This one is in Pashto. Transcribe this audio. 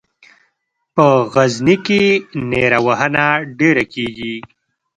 په غزني کې نیره وهنه ډېره کیږي.